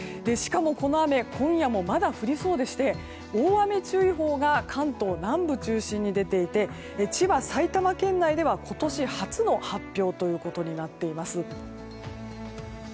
しかもこの雨今夜もまだ降りそうでして大雨注意報が関東南部を中心に出ていて千葉、埼玉県内では今年初の発表となっています。